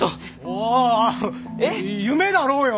おおお夢だろうよ！